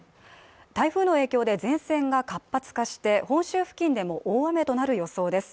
台風の影響で前線が活発化して本州付近でも大雨となる予想です。